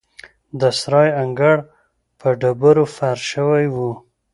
د سرای انګړ په ډبرو فرش شوی و.